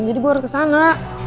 jadi gue harus kesana